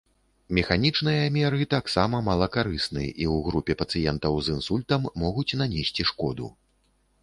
Механічныя меры таксама малакарысны і ў групе пацыентаў з інсультам могуць нанесці шкоду.